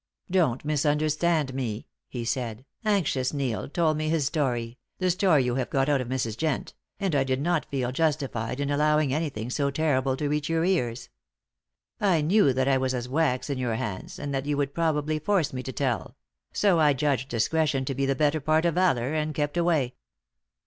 "Don t misunderstand me, he said, anxious Neil told me his story the story you have got out of Mrs. Jent and I did not feel justified in allowing anything so terrible to reach your ears. I knew that I was as wax in your hands, and that you would probably force me to tell; so I judged discretion to be the better part of valour, and kept away."